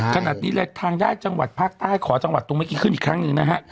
ขนาดนี้เลยทางได้จังหวัดภาคใต้ขอจังหวัดตรงเมื่อกี้ขึ้นอีกครั้งหนึ่งนะฮะ